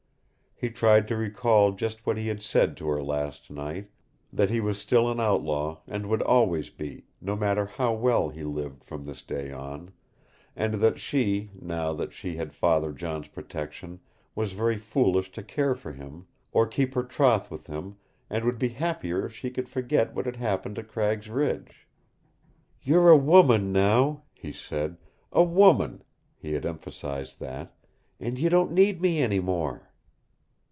He tried to recall just what he had said to her last night that he was still an outlaw, and would always be, no matter how well he lived from this day on; and that she, now that she had Father John's protection, was very foolish to care for him, or keep her troth with him, and would be happier if she could forget what had happened at Cragg's Ridge. "You're a WOMAN now," he said. "A WOMAN " he had emphasized that "and you don't need me any more."